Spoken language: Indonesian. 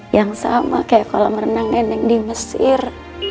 yang sama kayak kolam renang nenek di mesir